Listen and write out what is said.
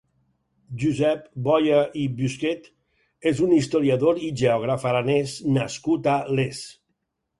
Jusèp Boya i Busquet és un historiador i geògraf aranès nascut a Les.